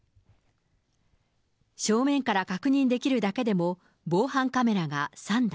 正面から確認できるだけでも防犯カメラが３台。